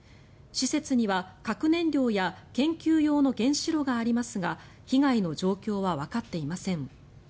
施設には核燃料や研究用の原子炉がありますが被害の状況はわかっていません。